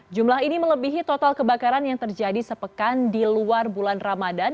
jumlah ini melebihi total kebakaran yang terjadi sepekan di luar bulan ramadan